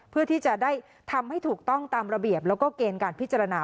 เพื่อที่จะได้ทำให้ถูกต้องตามระเบียบแล้วก็เกณฑ์การพิจารณา